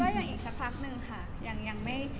คิดว่ายังอีกสักพักนึงค่ะ